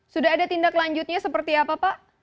sudah ada tindak lanjutnya seperti apa pak